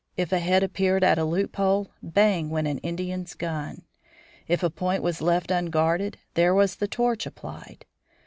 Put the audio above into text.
If a head appeared at a loophole, bang went an Indian's gun. If a point was left unguarded, there was the torch applied.